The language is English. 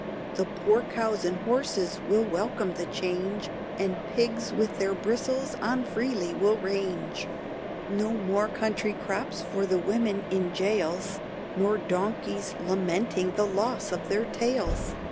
The poor cows and horses will welcome the change, And pigs with their bristles on freely will range, No more county crops for the women in jails, Nor donkeys lamenting the loss of their tails.